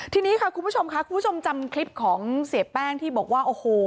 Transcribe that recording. ทีนี้ค่ะคุณผู้ชมค่ะคุณผู้ชมจำคลิปของเสียแป้งที่บอกว่าโอ้โห